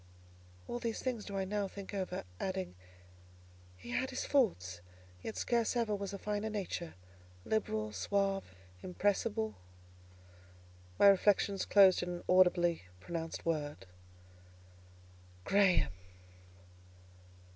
All these things do I now think over, adding, "He had his faults, yet scarce ever was a finer nature; liberal, suave, impressible." My reflections closed in an audibly pronounced word, "Graham!"